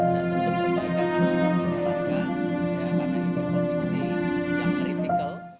dan tentu kebaikan yang sudah dijalankan karena ini kondisi yang kritikal